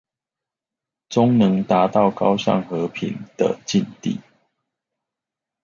終能達到高尚和平的境地